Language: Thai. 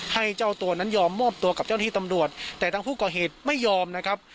ให้เจ้าตัวนั้นยอมมอบตัวกับเจ้าหน้าที่ตำรวจแต่ทางผู้ก่อเหตุไม่ยอมนะครับ